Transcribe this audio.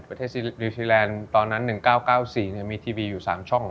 นิวซีแลนด์ตอนนั้น๑๙๙๔มีทีวีอยู่๓ช่อง